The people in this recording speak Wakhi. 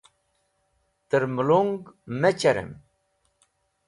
Tẽr melong me cherẽm.